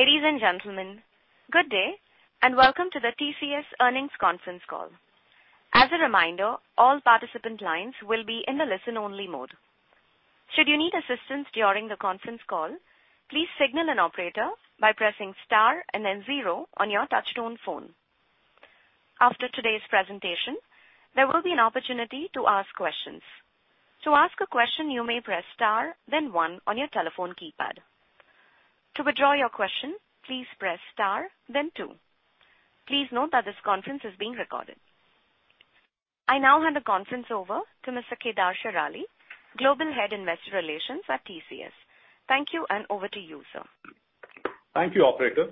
Ladies and gentlemen, good day, and welcome to the TCS Earnings Conference Call. As a reminder, all participant lines will be in the listen-only mode. Should you need assistance during the conference call, please signal an operator by pressing star and then zero on your touch-tone phone. After today's presentation, there will be an opportunity to ask questions. To ask a question, you may press star then one on your telephone keypad. To withdraw your question, please press star then two. Please note that this conference is being recorded. I now hand the conference over to Mr. Kedar Shirali, Global Head Investor Relations at TCS. Thank you, and over to you, sir. Thank you, operator.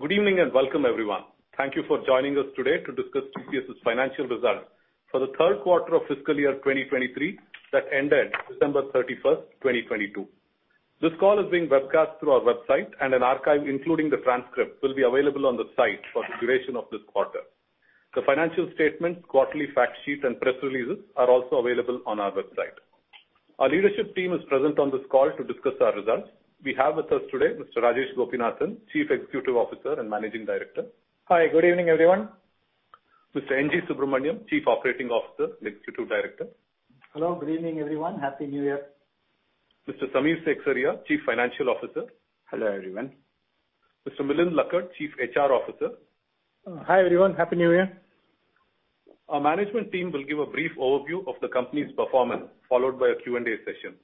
Good evening, welcome everyone. Thank you for joining us today to discuss TCS' Financial Results for the Third Quarter of Fiscal Year 2023 that ended December 31st, 2022. This call is being webcast through our website, an archive, including the transcript, will be available on the site for the duration of this quarter. The financial statements, quarterly fact sheets, and press releases are also available on our website. Our leadership team is present on this call to discuss our results. We have with us today Mr. Rajesh Gopinathan, Chief Executive Officer and Managing Director. Hi. Good evening, everyone. Mr. N. G. Subramaniam, Chief Operating Officer and Executive Director. Hello. Good evening, everyone. Happy New Year. Mr. Samir Seksaria, Chief Financial Officer. Hello, everyone. Mr. Milind Lakkad, Chief HR Officer. Hi, everyone. Happy New Year. Our management team will give a brief overview of the company's performance, followed by a Q&A session.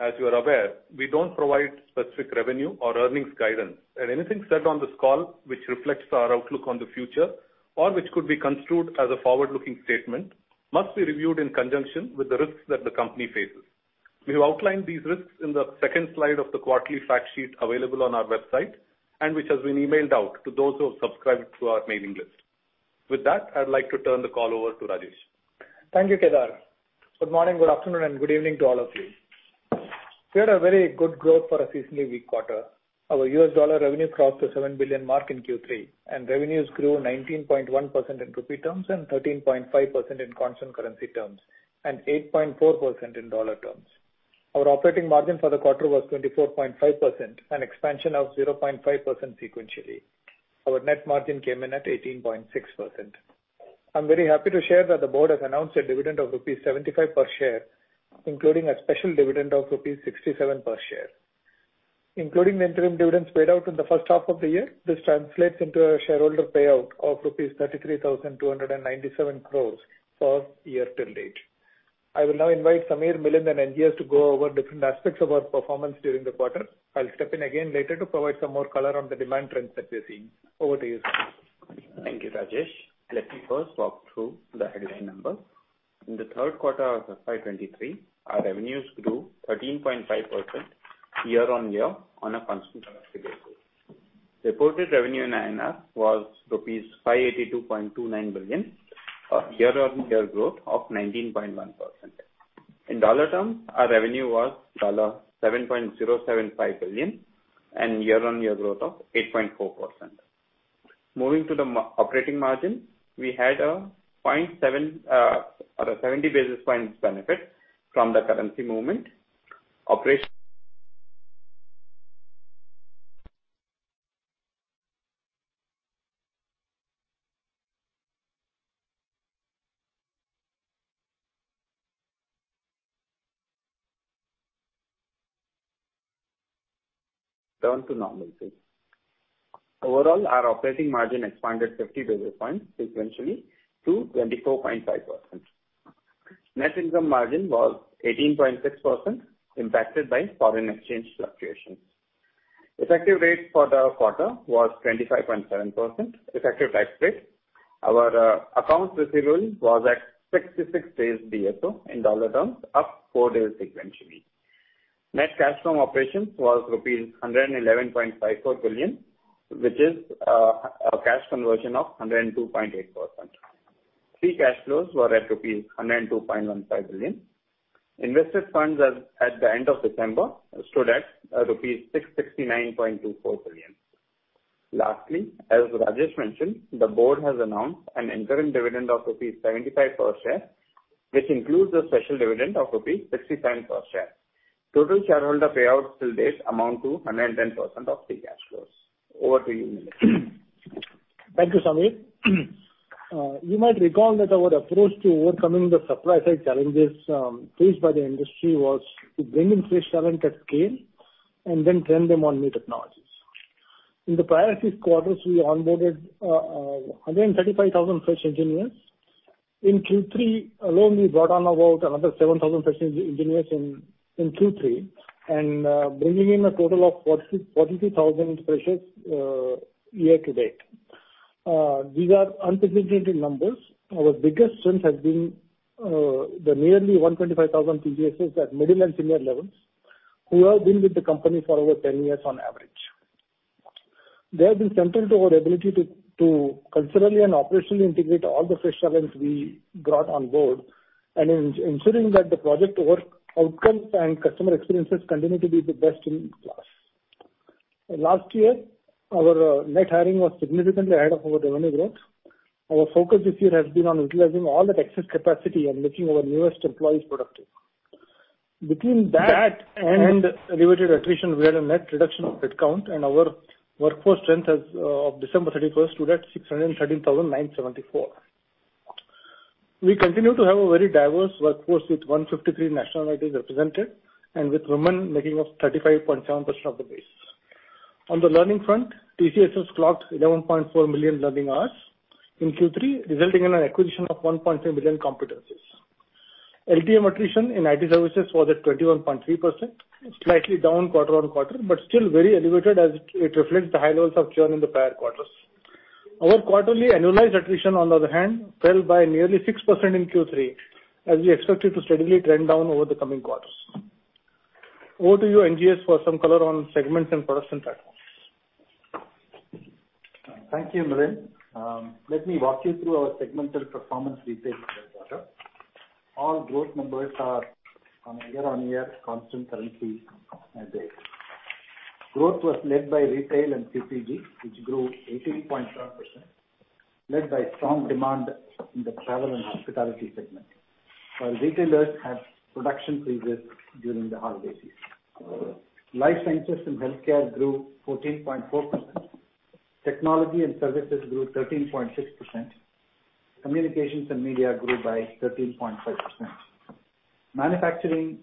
As you are aware, we don't provide specific revenue or earnings guidance. Anything said on this call which reflects our outlook on the future or which could be construed as a forward-looking statement must be reviewed in conjunction with the risks that the company faces. We have outlined these risks in the second slide of the quarterly fact sheet available on our website, and which has been emailed out to those who have subscribed to our mailing list. With that, I'd like to turn the call over to Rajesh. Thank you, Kedar. Good morning, good afternoon, and good evening to all of you. We had a very good growth for a seasonally weak quarter. Our U.S. dollar revenue crossed the $7 billion mark in Q3. Revenues grew 19.1% in rupee terms and 13.5% in constant currency terms, and 8.4% in dollar terms. Our operating margin for the quarter was 24.5%, an expansion of 0.5% sequentially. Our net margin came in at 18.6%. I'm very happy to share that the board has announced a dividend of rupees 75 per share, including a special dividend of rupees 67 per share. Including the interim dividends paid out in the first half of the year, this translates into a shareholder payout of 33,297 crores rupees for year-to-date. I will now invite Samir, Milind, and N.G. to go over different aspects of our performance during the quarter. I'll step in again later to provide some more color on the demand trends that we're seeing. Over to you, Samir. Thank you, Rajesh. Let me first walk through the headline numbers. In the third quarter of the FY23, our revenues grew 13.5% year-on-year on a constant currency basis. Reported revenue in INR was rupees 582.29 billion, a year-on-year growth of 19.1%. In dollar terms, our revenue was $7.075 billion and year-on-year growth of 8.4%. Moving to the operating margin, we had a 0.7, or a 70 basis points benefit from the currency movement. Operation return to normalcy. Overall, our operating margin expanded 50 basis points sequentially to 24.5%. Net income margin was 18.6% impacted by foreign exchange fluctuations. Effective rate for the quarter was 25.7% effective tax rate. Our accounts receivable was at 66 days DSO in dollar terms, up four days sequentially. Net cash from operations was rupees 111.54 billion, which is a cash conversion of 102.8%. Free cash flows were at rupees 102.15 billion. Invested funds as, at the end of December stood at rupees 669.24 billion. Lastly, as Rajesh mentioned, the board has announced an interim dividend of 75 per share, which includes a special dividend of 67 per share. Total shareholder payouts till date amount to 110% of free cash flows. Over to you, Milind. Thank you, Samir. You might recall that our approach to overcoming the supply side challenges faced by the industry was to bring in fresh talent at scale and then train them on new technologies. In the prior six quarters, we onboarded 135,000 fresh engineers. In Q3 alone, we brought on about another 7,000 fresh engineers in Q3 and bringing in a total of 43,000 freshers year-to-date. These are unprecedented numbers. Our biggest strength has been the nearly 125,000 TCSers at middle and senior levels who have been with the company for over 10 years on average. They have been central to our ability to culturally and operationally integrate all the fresh talents we brought on board and ensuring that the project work outcomes and customer experiences continue to be the best in class. Last year, our net hiring was significantly ahead of our revenue growth. Our focus this year has been on utilizing all that excess capacity and making our newest employees productive. Between that and elevated attrition, we had a net reduction of headcount and our workforce strength as of December 31st stood at 613,974. We continue to have a very diverse workforce with 153 national identities represented, and with women making up 35.7% of the base. On the learning front, TCS has clocked 11.4 million learning hours in Q3, resulting in an acquisition of 1.5 million competencies. LTM attrition in IT services was at 21.3%, slightly down quarter-on-quarter, but still very elevated as it reflects the high levels of churn in the prior quarters. Our quarterly annualized attrition on the other hand, fell by nearly 6% in Q3 as we expect it to steadily trend down over the coming quarters. Over to you, NGS, for some color on segments and products and platforms. Thank you, Milind. Let me walk you through our segmental performance details for the quarter. All growth numbers are on a year-on-year constant currency basis. Growth was led by retail and CPG, which grew 18.1%, led by strong demand in the travel and hospitality segment, while retailers had production freezes during the holiday season. Life sciences and healthcare grew 14.4%. Technology and services grew 13.6%. Communications and media grew by 13.5%. Manufacturing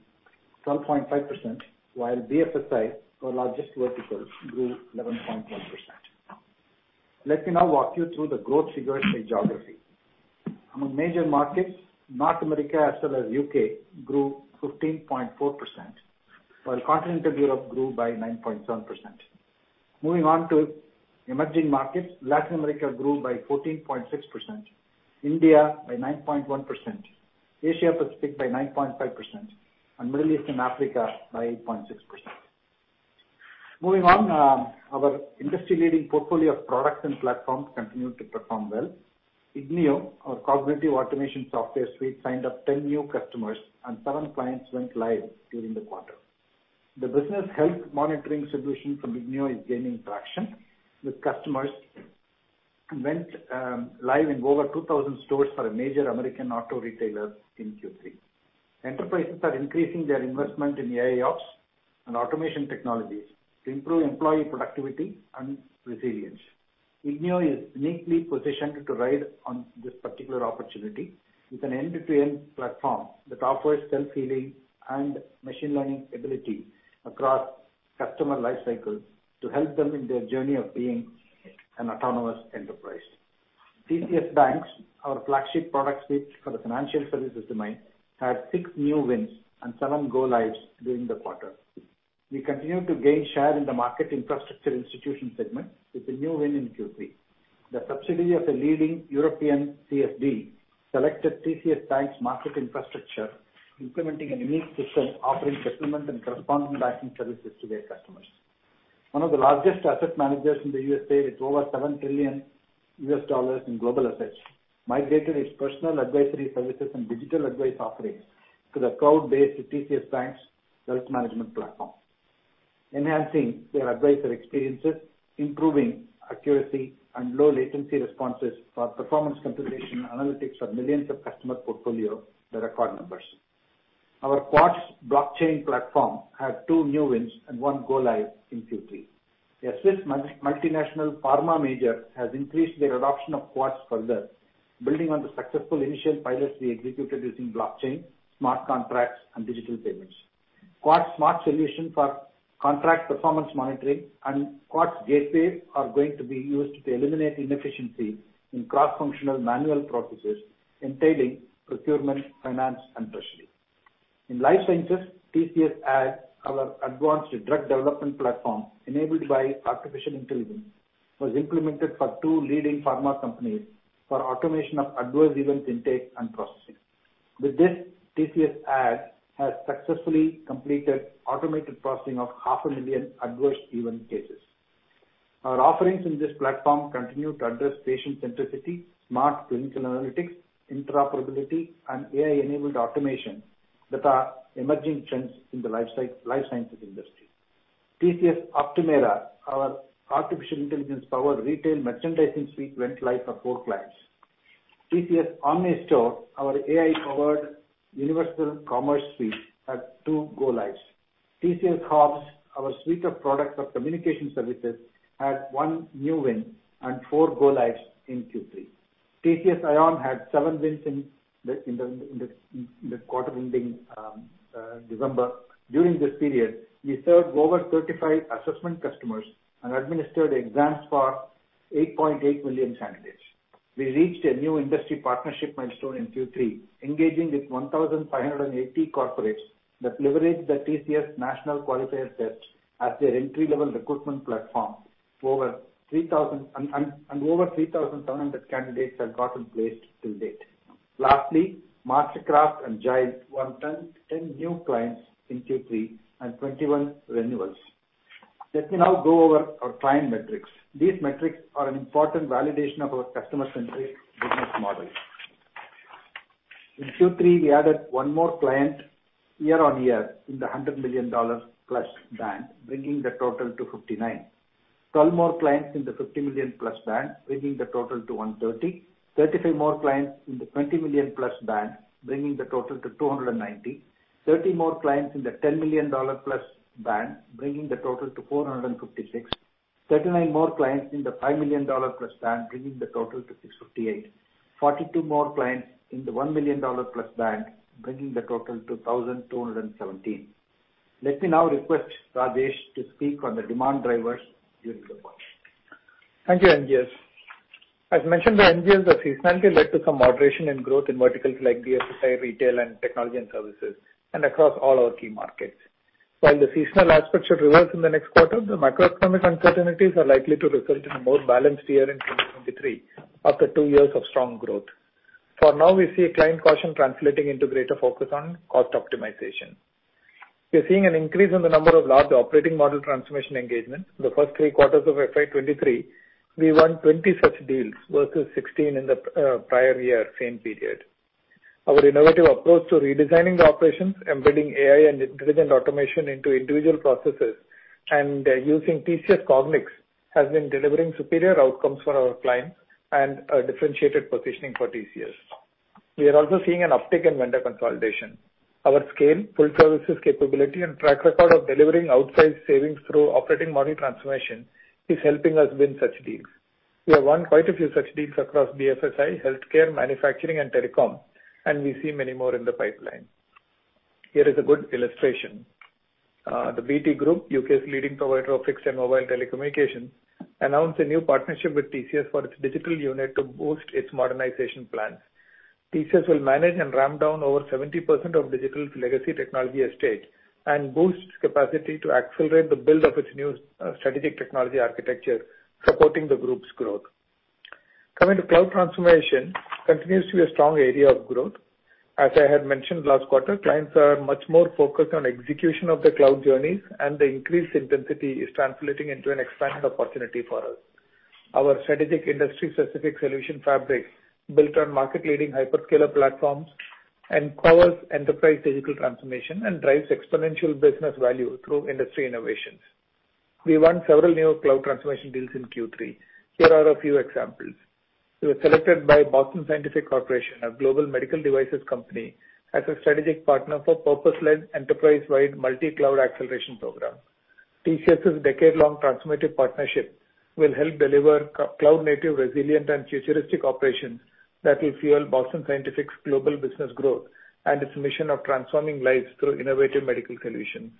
12.5% while BFSI, our largest vertical, grew 11.1%. Let me now walk you through the growth figures by geography. Among major markets, North America as well as U.K. grew 15.4% while continental Europe grew by 9.7%. Moving on to emerging markets, Latin America grew by 14.6%, India by 9.1%, Asia Pacific by 9.5%, and Middle East and Africa by 8.6%. Moving on, our industry-leading portfolio of products and platforms continued to perform well. ignio, our cognitive automation software suite, signed up 10 new customers and seven clients went live during the quarter. The business health monitoring solution from ignio is gaining traction, with customers went live in over 2,000 stores for a major American auto retailer in Q3. Enterprises are increasing their investment in AIOps and automation technologies to improve employee productivity and resilience. ignio is uniquely positioned to ride on this particular opportunity with an end-to-end platform that offers self-healing and machine learning ability across customer life cycles to help them in their journey of being an autonomous enterprise. TCS BaNCS, our flagship product suite for the financial services domain, had six new wins and seven go lives during the quarter. We continue to gain share in the market infrastructure institution segment with a new win in Q3. The subsidiary of a leading European CSD selected TCS BaNCS market infrastructure, implementing a unique system offering settlement and corresponding banking services to their customers. One of the largest asset managers in the USA with over $7 trillion in global assets, migrated its personal advisory services and digital advice offerings to the cloud-based TCS BaNCS wealth management platform, enhancing their advisor experiences, improving accuracy and low latency responses for performance computation analytics for millions of customer portfolio their account numbers. Our Quartz blockchain platform had two new wins and one go live in Q3. A Swiss multinational pharma major has increased their adoption of Quartz further, building on the successful initial pilots we executed using blockchain, smart contracts and digital payments. Quartz Smart Solution for contract performance monitoring and Quartz Gateway are going to be used to eliminate inefficiency in cross-functional manual processes, entailing procurement, finance and treasury. In life sciences, TCS ADD, our advanced drug development platform enabled by artificial intelligence, was implemented for two leading pharma companies for automation of adverse event intake and processing. With this, TCS ADD has successfully completed automated processing of half a million adverse event cases. Our offerings in this platform continue to address patient centricity, smart clinical analytics, interoperability and AI-enabled automation that are emerging trends in the life sciences industry. TCS Optumera, our artificial intelligence-powered retail merchandising suite, went live for four clients. TCS OmniStore, our AI-powered universal commerce suite, had two go lives. TCS HOBS, our suite of products for communication services, had one new win and four go lives in Q3. TCS iON had seven wins in the quarter ending December. During this period, we served over 35 assessment customers and administered exams for 8.8 million candidates. We reached a new industry partnership milestone in Q3, engaging with 1,580 corporates that leverage the TCS National Qualifier Test as their entry-level recruitment platform. Over 3,700 candidates have gotten placed till date. Lastly, TCS MasterCraft and Jile won 10 new clients in Q3 and 21 renewals. Let me now go over our client metrics. These metrics are an important validation of our customer-centric business model. In Q3, we added one more client year-on-year in the $100 million+ band, bringing the total to 59. 12 more clients in the $50 million+ band, bringing the total to 130. 35 more clients in the $20 million+ band, bringing the total to 290. 30 more clients in the $10 million+ band, bringing the total to 456. 39 more clients in the $5 million+ band, bringing the total to 658. 42 more clients in the $1 million+ band, bringing the total to 1,217. Let me now request Rajesh to speak on the demand drivers during the quarter. Thank you, NGS. As mentioned by NGS, the seasonality led to some moderation in growth in verticals like BFSI, retail, and technology and services, and across all our key markets. While the seasonal aspects should reverse in the next quarter, the macroeconomic uncertainties are likely to result in a more balanced year in 2023 after two years of strong growth. For now, we see a client caution translating into greater focus on cost optimization. We are seeing an increase in the number of large operating model transformation engagements. The first three quarters of FY 2023, we won 20 such deals versus 16 in the prior year, same period. Our innovative approach to redesigning the operations, embedding AI and intelligent automation into individual processes, and using TCS Cognix has been delivering superior outcomes for our clients and a differentiated positioning for TCS. We are also seeing an uptick in vendor consolidation. Our scale, full services capability, and track record of delivering outsized savings through operating model transformation is helping us win such deals. We have won quite a few such deals across BFSI, healthcare, manufacturing, and telecom. We see many more in the pipeline. Here is a good illustration. The BT Group, U.K.'s leading provider of fixed and mobile telecommunications, announced a new partnership with TCS for its Digital unit to boost its modernization plans. TCS will manage and ramp down over 70% of Digital's legacy technology estate and boost capacity to accelerate the build of its new strategic technology architecture supporting the group's growth. Cloud transformation continues to be a strong area of growth. As I had mentioned last quarter, clients are much more focused on execution of their cloud journeys, and the increased intensity is translating into an expanded opportunity for us. Our strategic industry-specific solution fabric built on market-leading hyperscaler platforms and powers enterprise digital transformation and drives exponential business value through industry innovations. We won several new cloud transformation deals in Q3. Here are a few examples. We were selected by Boston Scientific Corporation, a global medical devices company, as a strategic partner for purpose-led, enterprise-wide multi-cloud acceleration program. TCS's decade-long transformative partnership will help deliver cloud-native, resilient, and futuristic operations that will fuel Boston Scientific's global business growth and its mission of transforming lives through innovative medical solutions.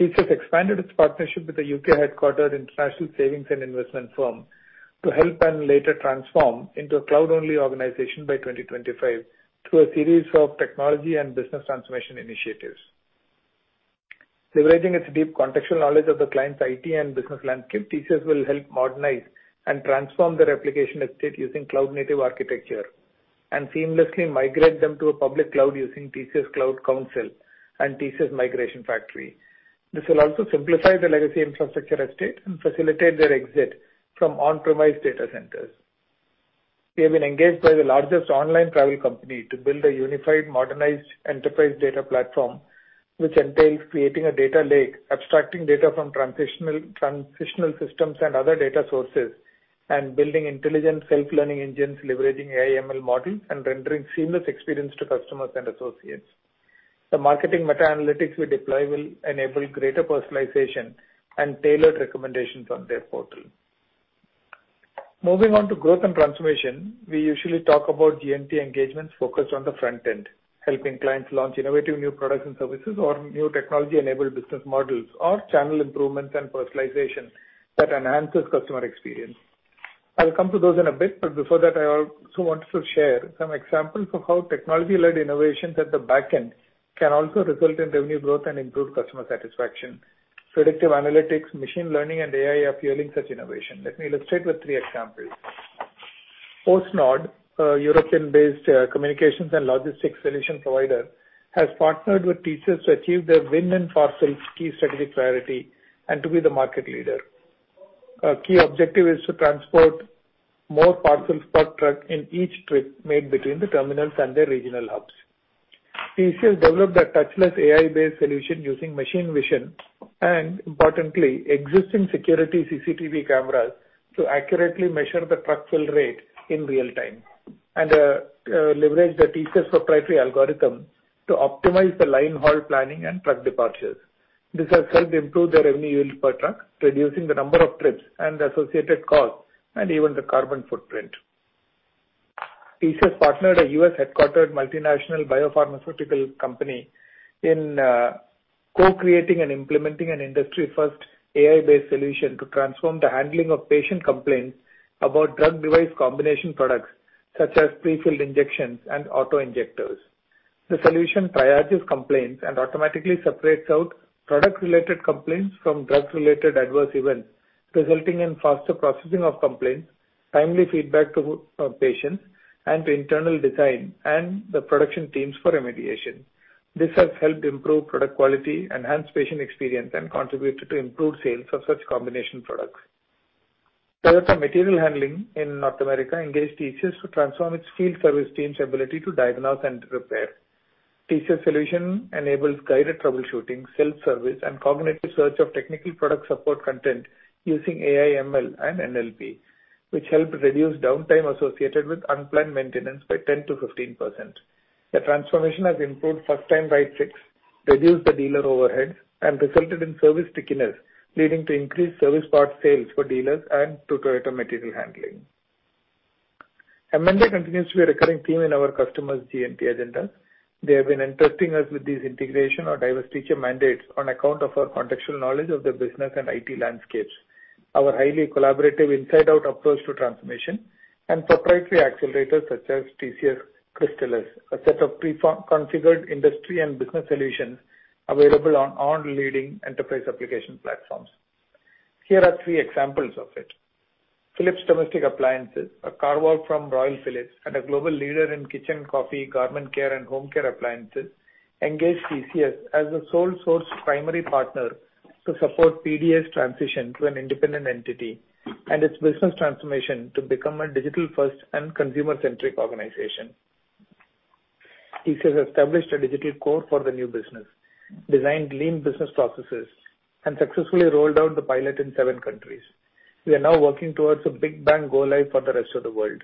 TCS expanded its partnership with the U.K.-headquartered international savings and investment firm to help and later transform into a cloud-only organization by 2025 through a series of technology and business transformation initiatives. Leveraging its deep contextual knowledge of the client's IT and business landscape, TCS will help modernize and transform their application estate using cloud-native architecture and seamlessly migrate them to a public cloud using TCS Cloud Counsel and TCS Migration Factory. This will also simplify the legacy infrastructure estate and facilitate their exit from on-premise data centers. We have been engaged by the largest online travel company to build a unified, modernized enterprise data platform, which entails creating a data lake, abstracting data from transitional systems and other data sources, and building intelligent self-learning engines leveraging AI ML models and rendering seamless experience to customers and associates. The marketing meta-analytics we deploy will enable greater personalization and tailored recommendations on their portal. Moving on to growth and transformation, we usually talk about G&T engagements focused on the front end, helping clients launch innovative new products and services or new technology-enabled business models or channel improvements and personalization that enhances customer experience. I'll come to those in a bit, but before that, I also want to share some examples of how technology-led innovations at the back end can also result in revenue growth and improve customer satisfaction. Predictive analytics, machine learning, and AI are fueling such innovation. Let me illustrate with three examples. PostNord, a European-based communications and logistics solution provider, has partnered with TCS to achieve their win and parcel key strategic priority and to be the market leader. A key objective is to transport more parcels per truck in each trip made between the terminals and their regional hubs. TCS developed a touchless AI-based solution using machine vision and, importantly, existing security CCTV cameras to accurately measure the truck fill rate in real time and leverage the TCS proprietary algorithm to optimize the line haul planning and truck departures. This has helped improve their revenue yield per truck, reducing the number of trips and the associated cost and even the carbon footprint. TCS partnered a U.S.-headquartered multinational biopharmaceutical company in co-creating and implementing an industry-first AI-based solution to transform the handling of patient complaints about drug device combination products such as pre-filled injections and auto-injectors. The solution triages complaints and automatically separates out product-related complaints from drug-related adverse events, resulting in faster processing of complaints, timely feedback to patients, and to internal design and the production teams for remediation. This has helped improve product quality, enhance patient experience, and contributed to improved sales of such combination products. Toyota Material Handling in North America engaged TCS to transform its field service team's ability to diagnose and repair. TCS solution enables guided troubleshooting, self-service, and cognitive search of technical product support content using AI, ML, and NLP, which help reduce downtime associated with unplanned maintenance by 10%-15%. The transformation has improved first-time ride checks, reduced the dealer overhead, and resulted in service stickiness, leading to increased service part sales for dealers and to Toyota Material Handling. M&A continues to be a recurring theme in our customers' G&T agenda. They have been entrusting us with these integration or divestiture mandates on account of our contextual knowledge of their business and IT landscapes. Our highly collaborative inside-out approach to transformation and proprietary accelerators such as TCS Crystallus, a set of pre-configured industry and business solutions available on all leading enterprise application platforms. Here are three examples of it. Philips Domestic Appliances, a carve-out from Royal Philips and a global leader in kitchen, coffee, garment care, and home care appliances, engaged TCS as the sole source primary partner to support PDS transition to an independent entity and its business transformation to become a digital-first and consumer-centric organization. TCS has established a digital core for the new business, designed lean business processes, and successfully rolled out the pilot in seven countries. We are now working towards a big bang go live for the rest of the world.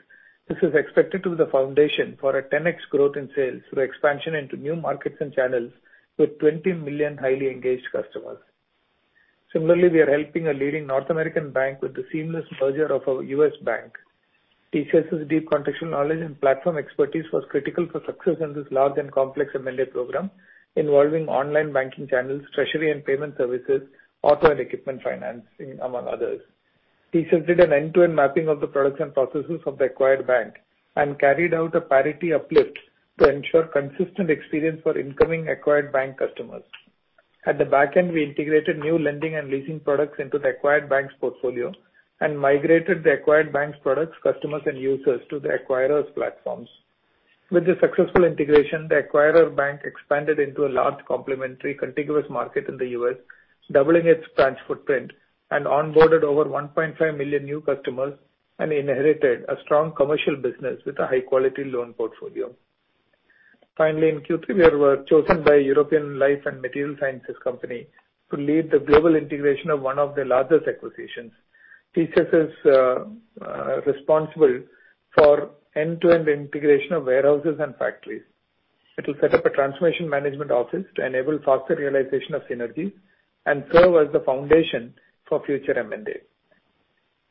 This is expected to be the foundation for a 10x growth in sales through expansion into new markets and channels with 20 million highly engaged customers. We are helping a leading North American bank with the seamless merger of a U.S. bank. TCS's deep contextual knowledge and platform expertise was critical for success in this large and complex M&A program involving online banking channels, treasury and payment services, auto and equipment financing, among others. TCS did an end-to-end mapping of the products and processes of the acquired bank and carried out a parity uplift to ensure consistent experience for incoming acquired bank customers. At the back end, we integrated new lending and leasing products into the acquired bank's portfolio and migrated the acquired bank's products, customers, and users to the acquirers platforms. With the successful integration, the acquirer bank expanded into a large complementary contiguous market in the U.S., doubling its branch footprint and onboarded over 1.5 million new customers and inherited a strong commercial business with a high-quality loan portfolio. Finally, in Q3, we were chosen by a European life and material sciences company to lead the global integration of one of their largest acquisitions. TCS is responsible for end-to-end integration of warehouses and factories. It will set up a transformation management office to enable faster realization of synergy and serve as the foundation for future M&A.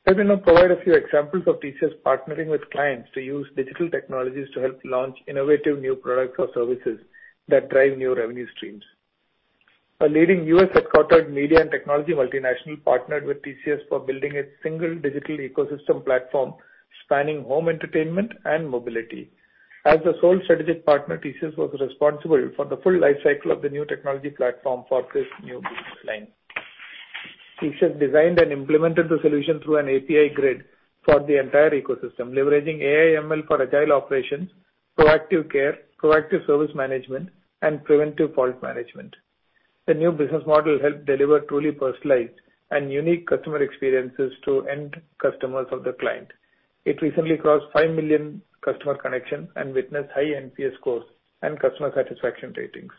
Let me now provide a few examples of TCS partnering with clients to use digital technologies to help launch innovative new products or services that drive new revenue streams. A leading U.S.-headquartered media and technology multinational partnered with TCS for building its single digital ecosystem platform, spanning home entertainment and mobility. As the sole strategic partner, TCS was responsible for the full lifecycle of the new technology platform for this new business line. TCS designed and implemented the solution through an API grid for the entire ecosystem, leveraging AI, ML for agile operations, proactive care, proactive service management, and preventive fault management. The new business model helped deliver truly personalized and unique customer experiences to end customers of the client. It recently crossed 5 million customer connections and witnessed high NPS scores and customer satisfaction ratings.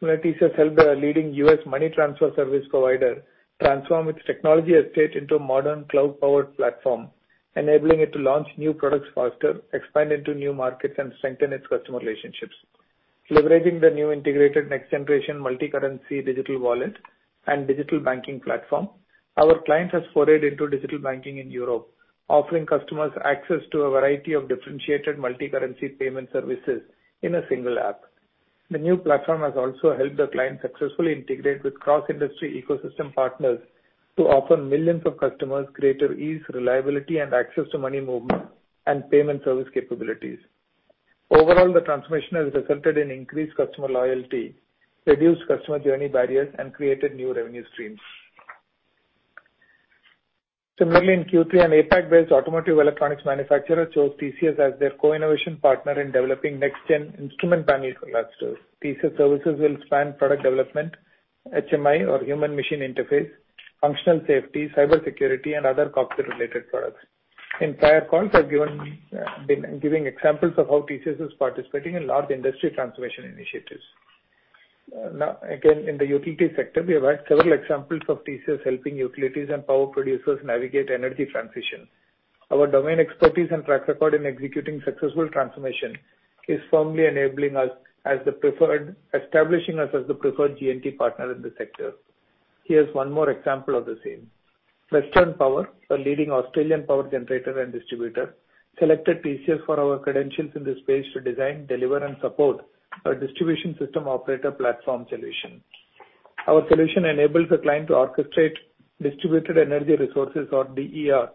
Similarly, TCS helped a leading U.S. money transfer service provider transform its technology estate into a modern cloud-powered platform, enabling it to launch new products faster, expand into new markets, and strengthen its customer relationships. Leveraging the new integrated next-generation multicurrency digital wallet and digital banking platform, our client has forayed into digital banking in Europe, offering customers access to a variety of differentiated multicurrency payment services in a single app. The new platform has also helped the client successfully integrate with cross-industry ecosystem partners to offer millions of customers greater ease, reliability, and access to money movement and payment service capabilities. Overall, the transformation has resulted in increased customer loyalty, reduced customer journey barriers, and created new revenue streams. Similarly, in Q3, an APAC-based automotive electronics manufacturer chose TCS as their co-innovation partner in developing next-gen instrument panels clusters. TCS services will span product development, HMI or human machine interface, functional safety, cybersecurity, and other cockpit-related products. In prior calls, I've been giving examples of how TCS is participating in large industry transformation initiatives. Now, again, in the utility sector, we have several examples of TCS helping utilities and power producers navigate energy transition. Our domain expertise and track record in executing successful transformation is firmly establishing us as the preferred G&T partner in this sector. Here's one more example of the same. Western Power, a leading Australian power generator and distributor, selected TCS for our credentials in this space to design, deliver, and support our distribution system operator platform solution. Our solution enables the client to orchestrate distributed energy resources or DER,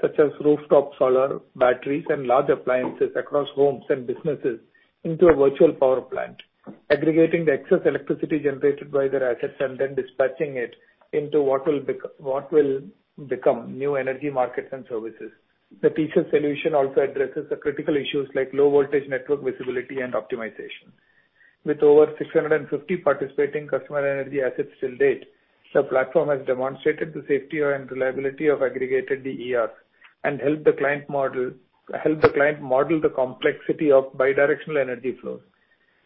such as rooftop solar, batteries, and large appliances across homes and businesses into a virtual power plant, aggregating the excess electricity generated by their assets and then dispatching it into what will become new energy markets and services. The TCS solution also addresses the critical issues like low voltage network visibility and optimization. With over 650 participating customer energy assets till date, the platform has demonstrated the safety and reliability of aggregated DERs and help the client model the complexity of bidirectional energy flows.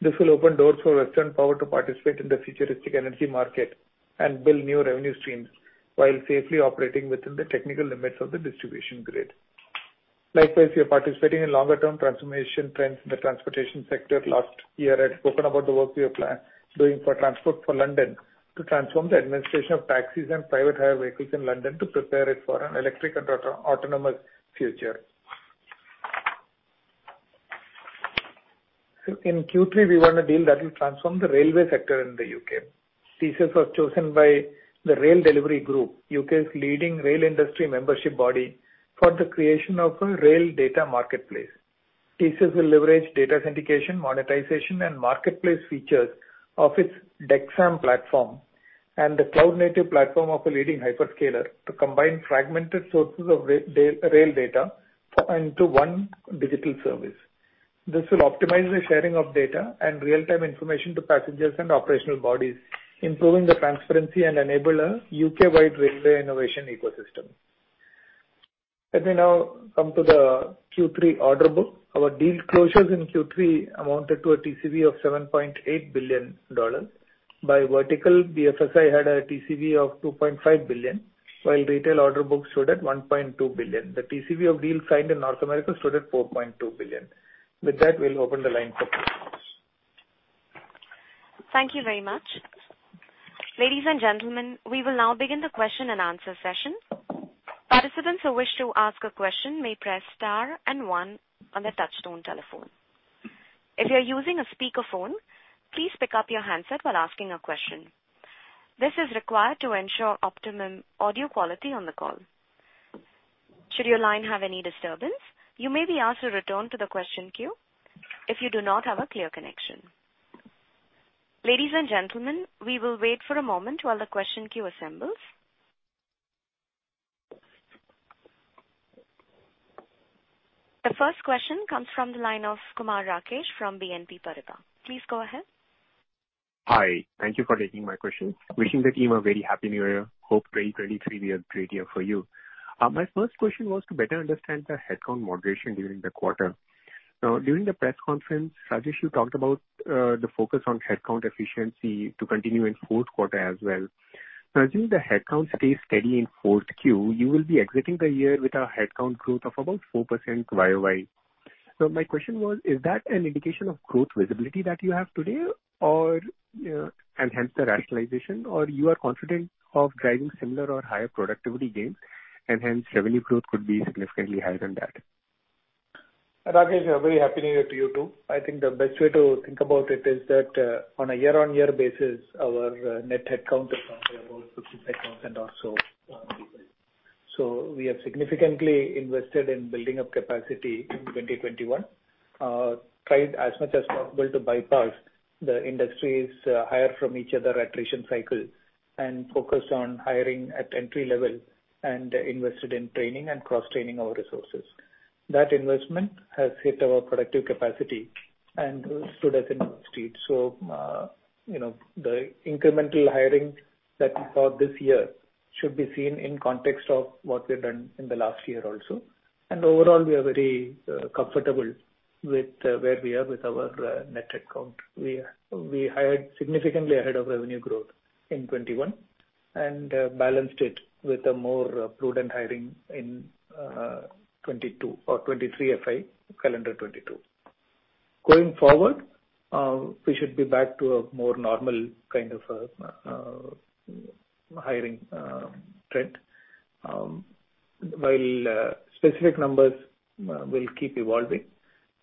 This will open doors for Western Power to participate in the futuristic energy market and build new revenue streams while safely operating within the technical limits of the distribution grid. Likewise, we are participating in longer-term transformation trends in the transportation sector. Last year, I'd spoken about the work we have doing for Transport for London to transform the administration of taxis and private hire vehicles in London to prepare it for an electric and autonomous future. In Q3, we won a deal that will transform the railway sector in the U.K. TCS was chosen by the Rail Delivery Group, U.K.'s leading rail industry membership body, for the creation of a rail data marketplace. TCS will leverage data syndication, monetization, and marketplace features of its Dexam platform and the cloud-native platform of a leading hyperscaler to combine fragmented sources of rail data into one digital service. This will optimize the sharing of data and real-time information to passengers and operational bodies, improving the transparency and enable a U.K.-wide railway innovation ecosystem. Let me now come to the Q3 order book. Our deal closures in Q3 amounted to a TCV of $7.8 billion. By vertical, BFSI had a TCV of $2.5 billion, while retail order book stood at $1.2 billion. The TCV of deals signed in North America stood at $4.2 billion. With that, we'll open the line for questions. Thank you very much. Ladies and gentlemen, we will now begin the question-and-answer session. Participants who wish to ask a question may press star and one on their touch-tone telephone. If you're using a speakerphone, please pick up your handset while asking a question. This is required to ensure optimum audio quality on the call. Should your line have any disturbance, you may be asked to return to the question queue if you do not have a clear connection. Ladies and gentlemen, we will wait for a moment while the question queue assembles. The first question comes from the line of Kumar Rakesh from BNP Paribas. Please go ahead. Hi. Thank you for taking my question. Wishing the team a very happy New Year. Hope 2023 be a great year for you. My first question was to better understand the headcount moderation during the quarter. During the press conference, Rajesh, you talked about the focus on headcount efficiency to continue in fourth quarter as well. Assuming the headcount stays steady in 4Q, you will be exiting the year with a headcount growth of about 4% Y-o-Y. My question was, is that an indication of growth visibility that you have today, or and hence the rationalization? Or you are confident of driving similar or higher productivity gains and hence revenue growth could be significantly higher than that? Rakesh, a very happy New Year to you, too. I think the best way to think about it is that, on a year-on-year basis, our net headcount is down by about 15,000 or so. We have significantly invested in building up capacity in 2021. Tried as much as possible to bypass the industry's hire from each other attrition cycle and focused on hiring at entry-level and invested in training and cross-training our resources. That investment has hit our productive capacity and stood us in good stead. You know, the incremental hiring that we saw this year should be seen in context of what we've done in the last year also. Overall, we are very comfortable with where we are with our net headcount. We hired significantly ahead of revenue growth in 2021 and balanced it with a more prudent hiring in 2022 or 2023 FY, calendar 2022. Going forward, we should be back to a more normal kind of hiring trend. While specific numbers will keep evolving,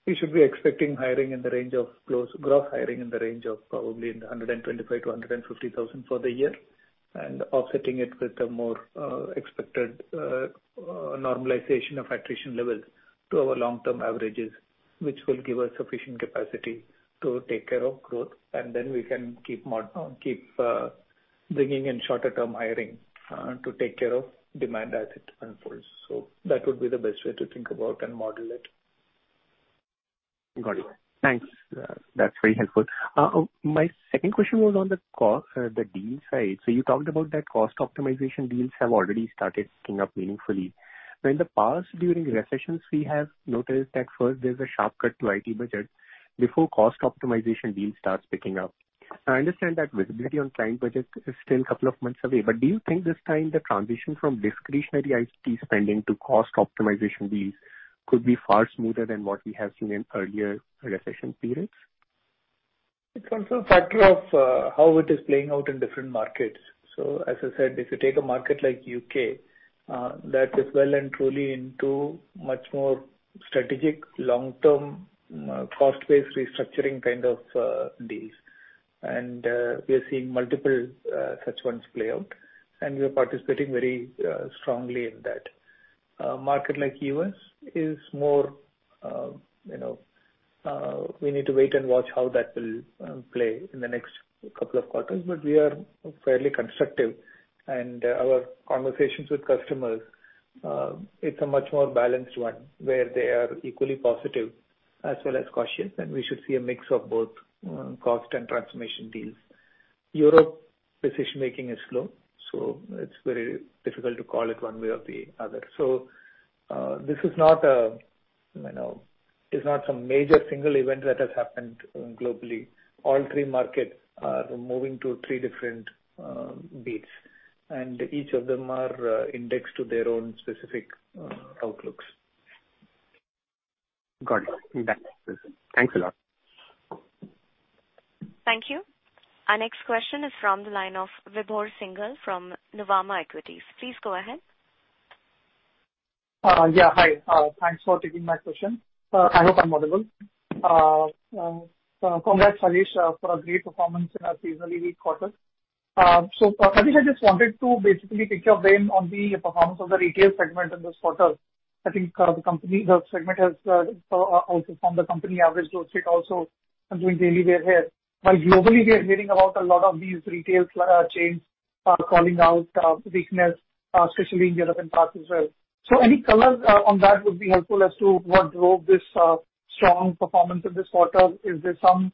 we should be expecting hiring in the range of gross hiring in the range of probably 125,000-150,000 for the year and offsetting it with a more expected normalization of attrition levels to our long-term averages, which will give us sufficient capacity to take care of growth. Then we can keep bringing in shorter-term hiring to take care of demand as it unfolds. That would be the best way to think about and model it. Got it. Thanks. that's very helpful. My second question was on the deal side. You talked about that cost optimization deals have already started picking up meaningfully. Now, in the past, during recessions, we have noticed that first there's a sharp cut to IT budget before cost optimization deals starts picking up. I understand that visibility on client budget is still couple of months away. Do you think this time the transition from discretionary IT spending to cost optimization deals could be far smoother than what we have seen in earlier recession periods? It's also a factor of how it is playing out in different markets. As I said, if you take a market like U.K., that is well and truly into much more strategic long-term, cost-based restructuring kind of deals. We are seeing multiple such ones play out, and we are participating very strongly in that. A market like U.S. is more, you know. We need to wait and watch how that will play in the next couple of quarters. We are fairly constructive, and our conversations with customers, it's a much more balanced one, where they are equally positive as well as cautious, and we should see a mix of both, cost and transformation deals. Europe decision making is slow. It's very difficult to call it one way or the other. This is not a, you know, it's not some major single event that has happened globally. All three markets are moving to three different beats, and each of them are indexed to their own specific outlooks. Got it. That's useful. Thanks a lot. Thank you. Our next question is from the line of Vibhor Singhal from Nuvama Equities. Please go ahead. Yeah, hi. Thanks for taking my question. I hope I'm audible. Congrats, Rajesh, for a great performance in a seasonally weak quarter. Rajesh, I just wanted to basically take your vein on the performance of the retail segment in this quarter. I think, the company, the segment has also from the company average growth rate also and doing really well here. Globally we are hearing about a lot of these retail chains calling out weakness, especially in Europe and parts as well. Any color on that would be helpful as to what drove this strong performance in this quarter. Is there some,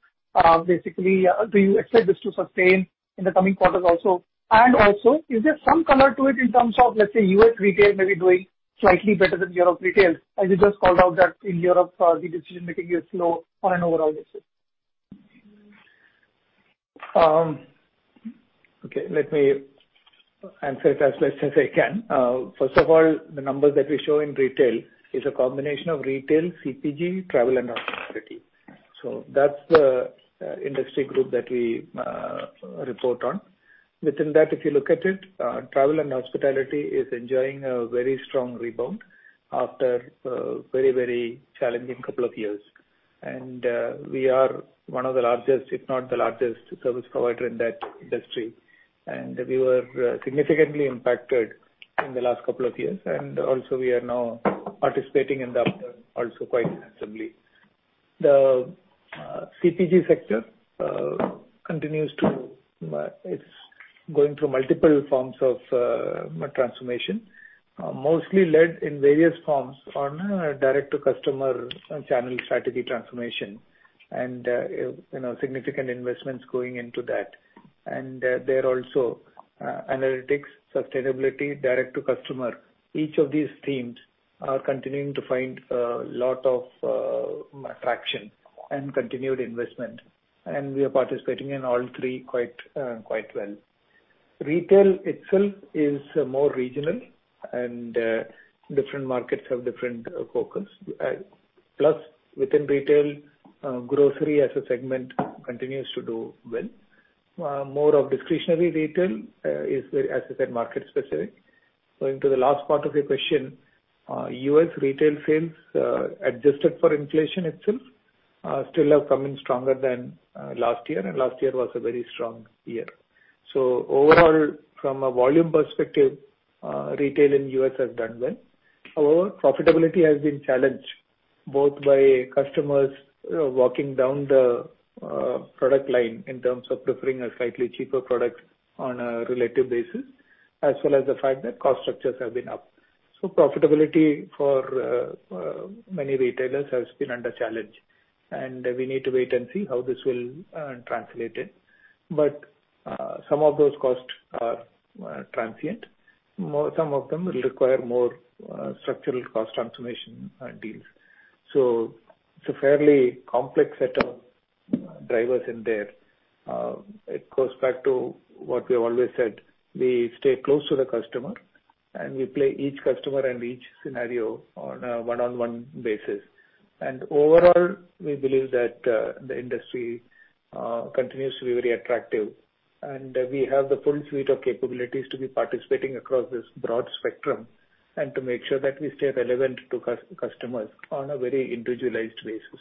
basically, do you expect this to sustain in the coming quarters also? Also, is there some color to it in terms of, let's say, U.S. retail may be doing slightly better than Europe retails, as you just called out that in Europe, the decision making is slow on an overall basis? Okay, let me answer it as best as I can. First of all, the numbers that we show in retail is a combination of retail, CPG, travel and hospitality. That's the industry group that we report on. Within that, if you look at it, travel and hospitality is enjoying a very strong rebound after a very, very challenging couple of years. We are one of the largest, if not the largest service provider in that industry. We were significantly impacted in the last couple of years. Also we are now participating in the upturn also quite sensibly. The CPG sector continues to, it's going through multiple forms of transformation, mostly led in various forms on a direct to customer channel strategy transformation and, you know, significant investments going into that. There also, analytics, sustainability, direct to customer, each of these themes are continuing to find a lot of traction and continued investment, and we are participating in all three quite well. Retail itself is more regional and different markets have different focus. Plus within retail, grocery as a segment continues to do well. More of discretionary retail is very, as I said, market specific. Going to the last part of your question, U.S. retail sales, adjusted for inflation itself, still have come in stronger than last year, and last year was a very strong year. Overall, from a volume perspective, retail in U.S. has done well. However, profitability has been challenged both by customers walking down the product line in terms of preferring a slightly cheaper product on a relative basis, as well as the fact that cost structures have been up. Profitability for many retailers has been under challenge, and we need to wait and see how this will translate it. Some of those costs are transient. Some of them will require more structural cost transformation deals. It's a fairly complex set of drivers in there. It goes back to what we have always said, we stay close to the customer, and we play each customer and each scenario on a one-on-one basis. Overall, we believe that the industry continues to be very attractive. We have the full suite of capabilities to be participating across this broad spectrum and to make sure that we stay relevant to customers on a very individualized basis.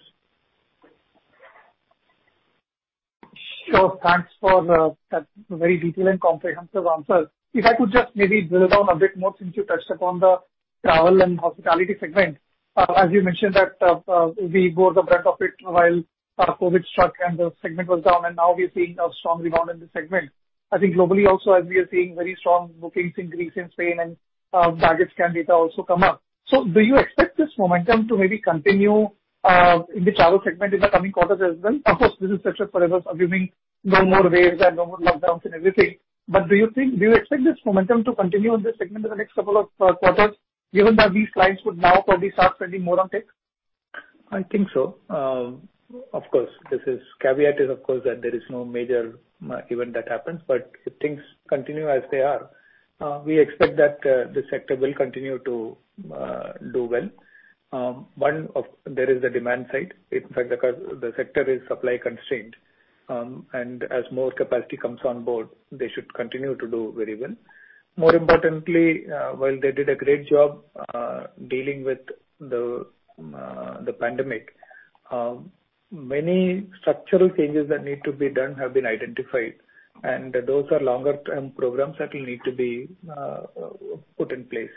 Sure. Thanks for the very detailed and comprehensive answer. If I could just maybe drill down a bit more since you touched upon the travel and hospitality segment. As you mentioned that, we bore the brunt of it while COVID struck and the segment was down and now we are seeing a strong rebound in this segment. I think globally also as we are seeing very strong bookings increase in Spain and budget scan data also come up. Do you expect this momentum to maybe continue in the travel segment in the coming quarters as well? Of course, this is such a forever assuming no more waves and no more lockdowns and everything. Do you expect this momentum to continue in this segment in the next couple of quarters given that these clients would now probably start spending more on tech? I think so. Of course, this is caveat is of course that there is no major event that happens. If things continue as they are, we expect that the sector will continue to do well. There is the demand side. In fact, the sector is supply constrained, and as more capacity comes on board, they should continue to do very well. More importantly, while they did a great job dealing with the pandemic, many structural changes that need to be done have been identified, and those are longer-term programs that will need to be put in place.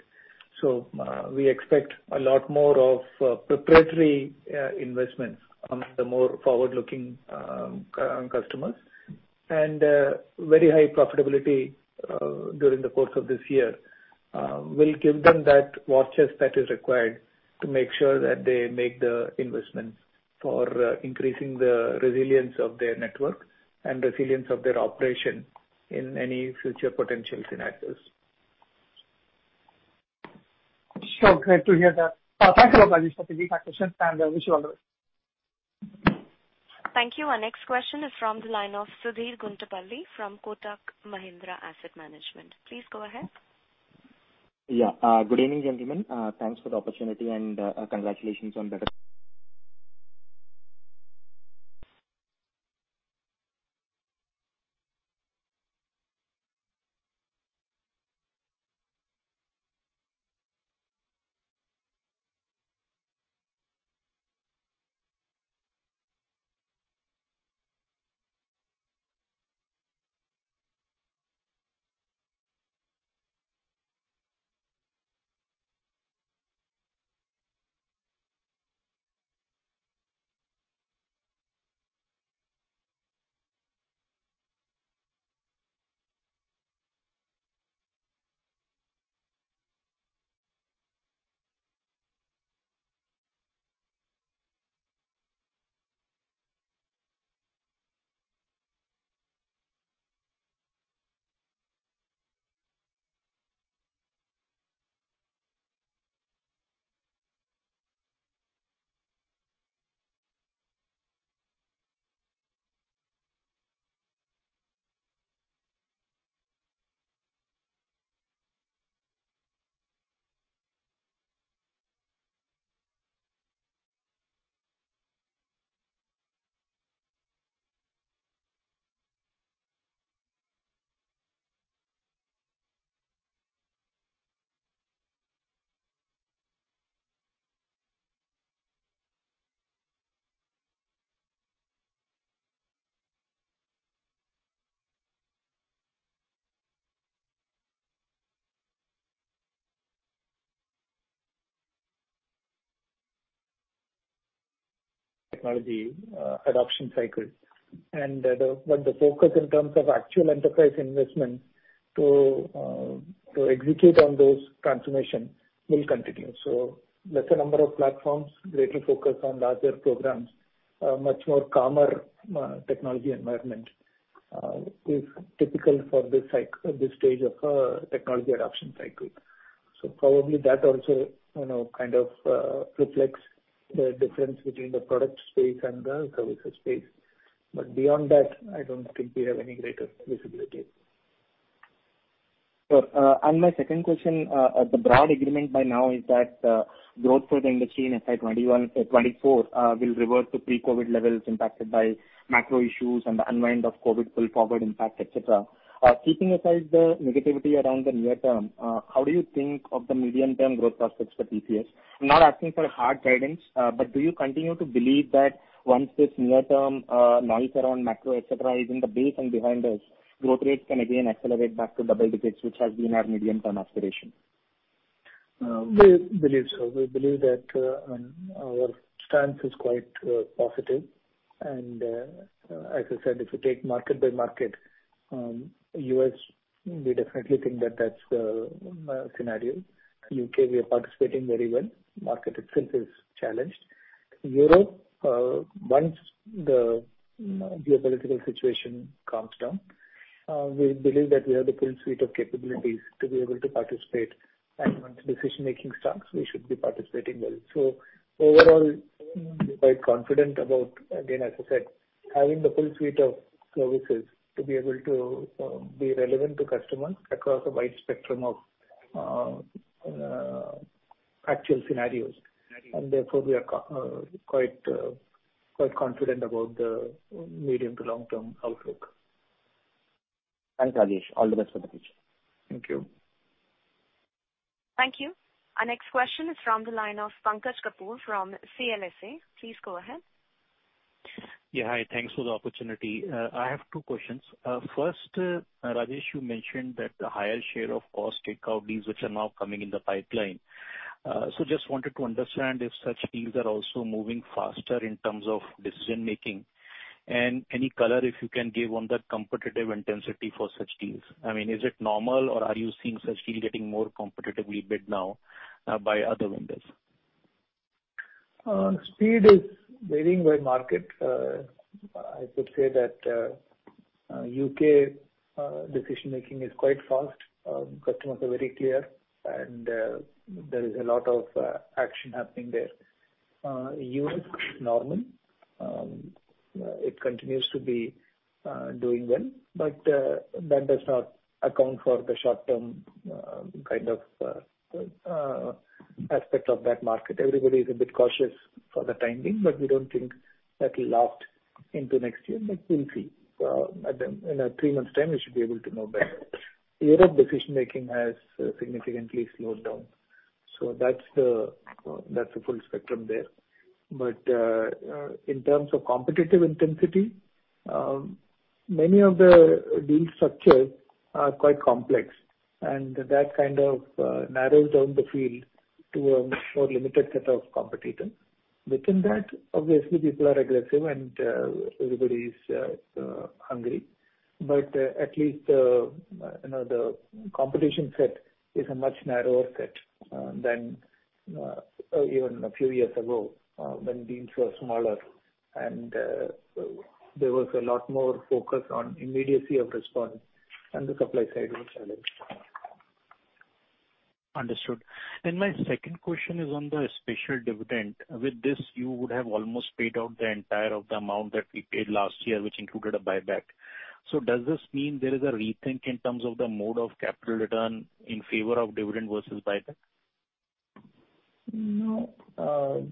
We expect a lot more of preparatory investments among the more forward-looking customers. Very high profitability during the course of this year will give them that war chest that is required to make sure that they make the investments for increasing the resilience of their network and resilience of their operation in any future potential scenarios. Sure. Great to hear that. Thank you, Rajesh, for taking my questions, and I wish you all the best. Thank you. Our next question is from the line of Sudheer Guntupalli from Kotak Mahindra Asset Management. Please go ahead. Good evening, gentlemen. Thanks for the opportunity and congratulations on the technology adoption cycle. The focus in terms of actual enterprise investment to execute on those transformation will continue. Lesser number of platforms, greater focus on larger programs, much more calmer technology environment is typical for this stage of technology adoption cycle. Probably that also, you know, kind of reflects the difference between the product space and the services space. Beyond that, I don't think we have any greater visibility. Sure. My second question, the broad agreement by now is that growth for the industry in FY 2021, 2024, will revert to pre-COVID levels impacted by macro issues and the unwind of COVID pull-forward impact, etc. Keeping aside the negativity around the near term, how do you think of the medium-term growth prospects for TCS? I'm not asking for hard guidance, but do you continue to believe that once this near-term noise around macro et cetera., is in the base and behind us, growth rates can again accelerate back to double digits, which has been our medium-term aspiration? We believe so. We believe that our stance is quite positive. As I said, if you take market by market, U.S., we definitely think that that's the scenario. U.K., we are participating very well. Market itself is challenged. Europe, once the geopolitical situation calms down, we believe that we have the full suite of capabilities to be able to participate. Once decision-making starts, we should be participating well. Overall, quite confident about, again, as I said, having the full suite of services to be able to be relevant to customers across a wide spectrum of actual scenarios. Therefore, we are quite confident about the medium to long-term outlook. Thanks, Rajesh. All the best for the future. Thank you. Thank you. Our next question is from the line of Pankaj Kapur from CLSA. Please go ahead. Yeah. Hi. Thanks for the opportunity. I have two questions. First, Rajesh, you mentioned that the higher share of cost takeout deals which are now coming in the pipeline. Just wanted to understand if such deals are also moving faster in terms of decision-making. Any color if you can give on the competitive intensity for such deals. I mean, is it normal or are you seeing such deals getting more competitively bid now, by other vendors? Speed is varying by market. I should say that U.K. decision-making is quite fast. Customers are very clear and there is a lot of action happening there. U.S., normal. It continues to be doing well, but that does not account for the short-term kind of aspect of that market. Everybody is a bit cautious for the time being, but we don't think that'll last into next year, but we'll see. In three months' time, we should be able to know better. Europe decision-making has significantly slowed down. That's the, that's the full spectrum there. In terms of competitive intensity, many of the deal structures are quite complex, and that kind of narrows down the field to a much more limited set of competitors. Within that, obviously, people are aggressive and everybody is hungry. At least, you know, the competition set is a much narrower set than even a few years ago, when deals were smaller and there was a lot more focus on immediacy of response and the supply side was challenged. Understood. My second question is on the special dividend. With this, you would have almost paid out the entire of the amount that we paid last year, which included a buyback. Does this mean there is a rethink in terms of the mode of capital return in favor of dividend versus buyback? No. Rather